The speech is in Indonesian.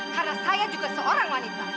karena saya juga seorang wanita